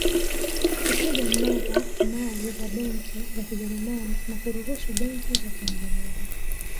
kupiga mnada mali za benki za Kijerumani na kuruhusu benki za Kiingereza